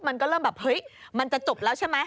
มันก็เริ่มแบบเฮ้ยมันจะจบแล้วใช่ไหม